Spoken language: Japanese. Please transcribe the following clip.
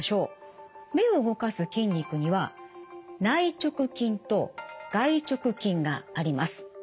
目を動かす筋肉には内直筋と外直筋があります。